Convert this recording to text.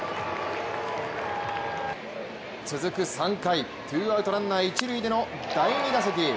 続く３回、ツーアウトランナー一塁での第２打席。